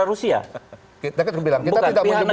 jadi itu tidak perlu ditanyakan